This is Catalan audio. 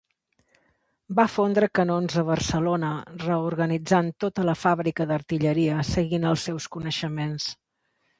Va fondre canons a Barcelona, reorganitzant tota la Fàbrica d’Artilleria seguint els seus coneixements.